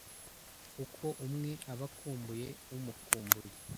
kuko umwe aba ukumbuye umukumbuye.